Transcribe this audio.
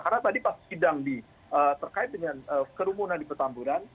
karena tadi pas sidang terkait dengan kerumunan di petamburan